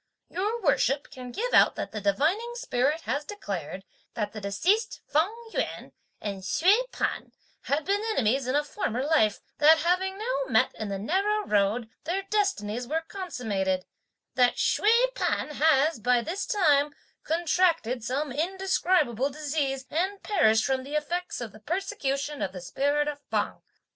Your Worship can give out that the divining spirit has declared: 'that the deceased, Feng Yüan, and Hsüeh P'an had been enemies in a former life, that having now met in the narrow road, their destinies were consummated; that Hsüeh P'an has, by this time, contracted some indescribable disease and perished from the effects of the persecution of the spirit of Feng.'